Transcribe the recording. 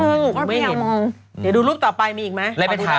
เดี๋ยวดูรูปต่อไปมีอีกไหมขอบคุณค่ะ